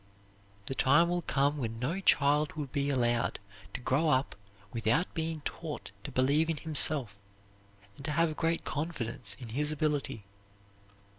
The time will come when no child will be allowed to grow up without being taught to believe in himself, to have great confidence in his ability.